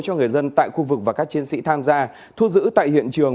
cho người dân tại khu vực và các chiến sĩ tham gia thu giữ tại hiện trường